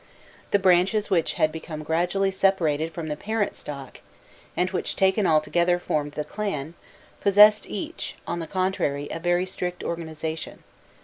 The branches which had become gradually separated from the parent stock, and which, taken all together, formed the clan, possessed each, on the contrary, a very strict organization.